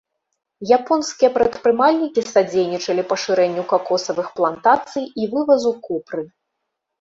Японскія прадпрымальнікі садзейнічалі пашырэнню какосавых плантацый і вывазу копры.